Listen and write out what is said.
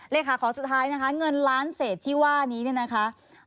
เลขาขอสุดท้ายนะคะเงินล้านเศษที่ว่านี้เนี่ยนะคะ